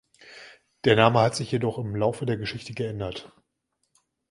Der Name hat sich jedoch im Laufe der Geschichte geändert.